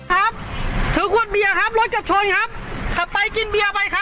ก็คือเรื่องอะไรเรื่องของโกวิด๑๙เพราะว่าโกวิด๑๙น่าจะเป็นอีกหนึ่งปัจจัยที่ส่งผลกระทบต่อเรื่องของเศรษฐกิจบ้านเรา